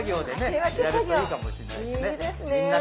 手分け作業いいですねえ。